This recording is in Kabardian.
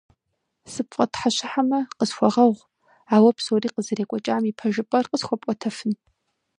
СыпфӀэтхьэщыхьэмэ, къысхуэгъэгъу, ауэ псори къызэрекӀуэкӀам и пэжыпӀэр къысхуэпӀуэтэфын?